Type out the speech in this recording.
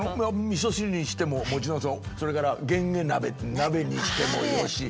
みそ汁にしてももちろんそれからゲンゲ鍋鍋にしてもよし。